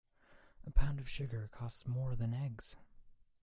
A pound of sugar costs more than eggs.